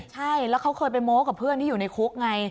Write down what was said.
ใช่แล้วเขาเคยไปโม้กับเพื่อนที่อยู่ในคุกไง